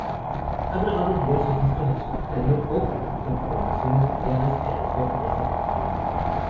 Ha grabado diversos discos, en solitario o con formaciones variadas, que recogen estas experiencias.